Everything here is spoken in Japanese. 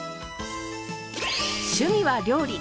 趣味は料理。